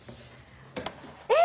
え！